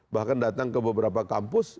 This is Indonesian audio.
bahkan datang ke beberapa kampus